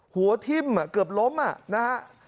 หัวทิ้มอะเกือบล้มอะนะฮะ